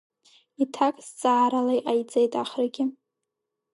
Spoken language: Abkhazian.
Иҭак зҵаарала иҟаиҵеит Ахрагьы.